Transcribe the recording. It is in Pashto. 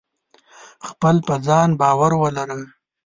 خپل په ځان باور ولره !